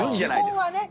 基本はね。